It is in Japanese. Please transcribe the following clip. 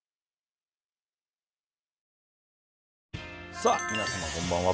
さあ皆様こんばんは。